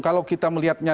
kalau kita melihatnya